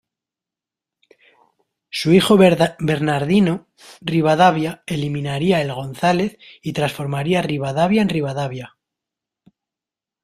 Su hijo Bernardino Rivadavia eliminaría el González y transformaría Ribadavia en Rivadavia.